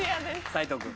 斉藤君。